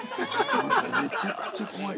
◆えっ、めちゃくちゃ怖い。